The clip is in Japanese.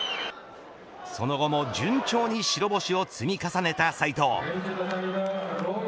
その後も順調に白星を積み重ねた斉藤。